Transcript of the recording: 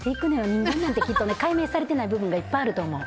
人間なんて解明されてない部分がいっぱいあると思う。